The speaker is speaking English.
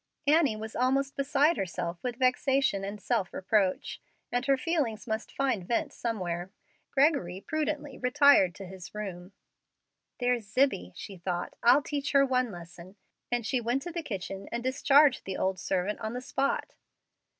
Annie was almost beside herself with vexation and self reproach, and her feelings must find vent somewhere. Gregory prudently retired to his room. "There's Zibbie," she thought; "I'll teach her one lesson;" and she went to the kitchen and discharged the old servant on the spot.